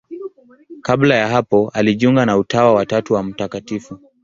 Kabla ya hapo alijiunga na Utawa wa Tatu wa Mt.